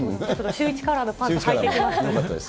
シューイチカラーのパンツはいてきます。